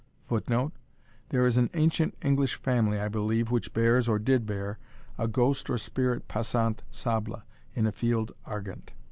[Footnote: There is an ancient English family, I believe, which bears, or did bear, a ghost or spirit passant sable in a field argent.